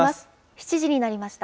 ７時になりました。